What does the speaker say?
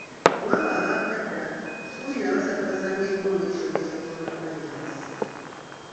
Kw'abo abaakadda, kkumi na basatu basangiddwamu ekirwadde kya Kolonavayiraasi.